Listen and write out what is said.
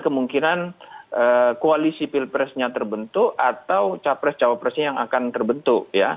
kemungkinan koalisi pilpresnya terbentuk atau capres cawapresnya yang akan terbentuk